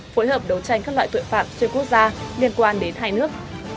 phối hợp đấu tranh các loại tội phạm xuyên quốc gia liên quan đến hai nước